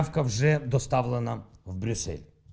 dokumen sudah dihantar ke brussel